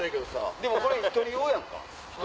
でも１人用やんか。